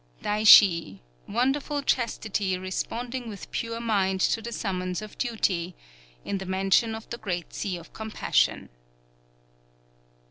_ _Daishi, Wonderful Chastity Responding with Pure Mind to the Summons of Duty, in the Mansion of the Great Sea of Compassion.